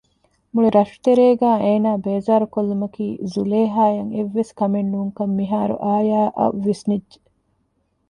މުޅި ރަށުތެރޭގައި އޭނާ ބޭޒާރުކޮށްލުމަކީ ޒުލޭހާއަށް އެއްވެސް ކަމެއް ނޫންކަން މިހާރު އާޔާއަށް ވިސްނިއްޖެ